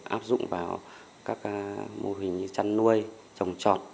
áp dụng vào các mô hình như chăn nuôi trồng trọt